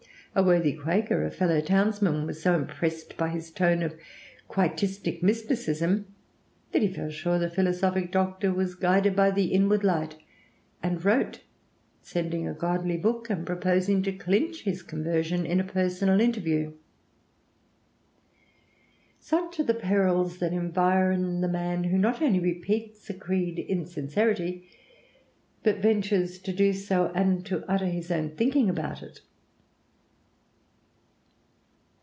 A worthy Quaker, a fellow townsman, was so impressed by his tone of quietistic mysticism that he felt sure the philosophic doctor was guided by "the inward light," and wrote, sending a godly book, and proposing to clinch his conversion in a personal interview. Such are the perils that environ the man who not only repeats a creed in sincerity, but ventures to do and to utter his own thinking about it.